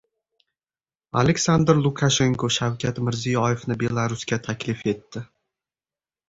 Aleksandr Lukashenko Shavkat Mirziyoyevni Belarusga taklif etdi